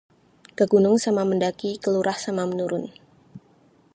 Ke gunung sama mendaki, ke lurah sama menurun